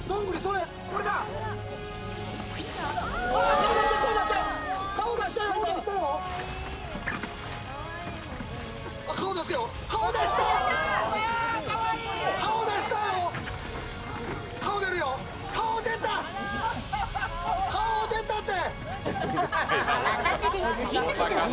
顔出たって！